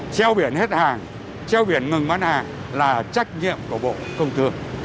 cheo biển hết hàng cheo biển ngừng bán hàng là trách nhiệm của bộ công thương